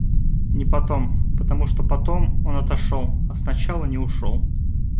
Не потом, потому что потом он отошёл, а сначала не ушёл.